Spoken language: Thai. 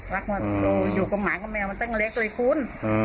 มาอยู่กับหมากับแมวมาตั้งเล็กเลยคุณ